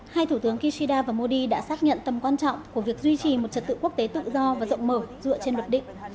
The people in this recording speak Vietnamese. hai thủ tướng kishida và modi đã xác nhận tầm quan trọng của việc duy trì một trật tự quốc tế tự do và rộng mở dựa trên luật định